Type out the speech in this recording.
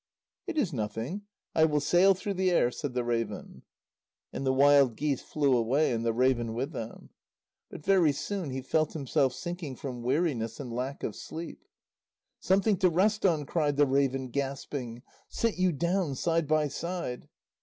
"It is nothing; I will sail through the air," said the raven. And the wild geese flew away, and the raven with them. But very soon he felt himself sinking from weariness and lack of sleep. "Something to rest on!" cried the raven, gasping. "Sit you down side by side."